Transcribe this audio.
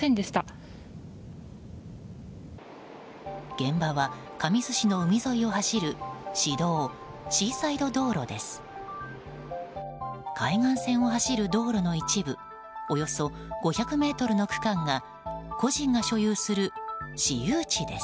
現場は神栖市の海沿いを走る市道シーサイド道路です。